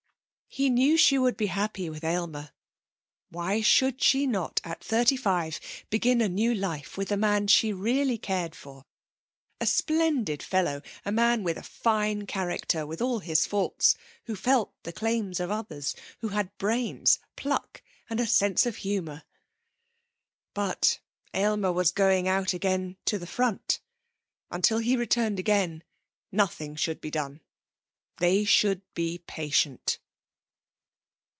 He knew she would be happy with Aylmer. Why should she not at thirty five begin a new life with the man she really cared for a splendid fellow, a man with a fine character, with all his faults, who felt the claims of others, who had brains, pluck, and a sense of honour? But Aylmer was going out again to the front. Until he returned again, nothing should be done. They should be patient.